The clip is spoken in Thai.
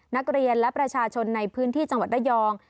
นักเรียนและประชาชนในพื้นที่จังหวัดระยอง